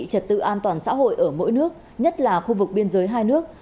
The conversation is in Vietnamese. trật tự an toàn xã hội ở mỗi nước nhất là khu vực biên giới hai nước